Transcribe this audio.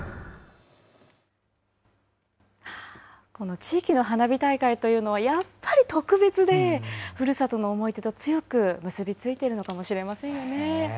地域の花火大会というのはやっぱり特別でふるさとの思い出と強く結び付いているのかもしれませんね。